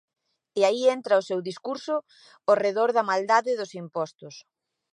E aí entra o seu discurso ao redor da maldade dos impostos.